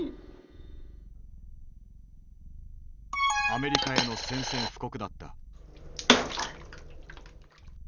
アメリカへの宣戦布告だった。